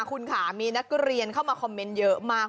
คุณค่ะมีนักเรียนเข้ามาคอมเมนต์เยอะมาก